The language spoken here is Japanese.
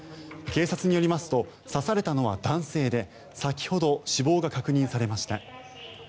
警察によりますと刺されたのは男性で先ほど、死亡が確認されました。